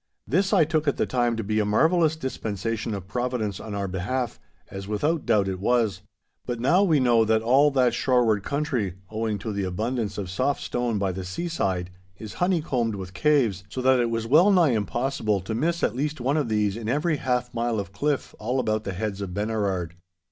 This I took at the time to be a marvellous dispensation of Providence on our behalf, as without doubt it was. But now we know that all that shoreward country, owing to the abundance of soft stone by the seaside, is honeycombed with caves, so that it was well nigh impossible to miss at least one of these in every half mile of cliff all about the Heads of Benerard.